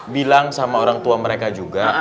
bilang sama orang tua mereka juga